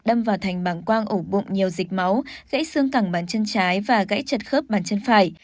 đâm vào thành bảng quang ổ bụng nhiều dịch máu gãy xương cẳng bán chân trái và gãy chật khớp bàn chân phải